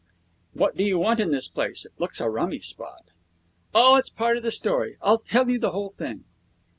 'What do you want in this place? It looks a rummy spot.' 'Oh, that's part of the story. I'll tell you the whole thing.'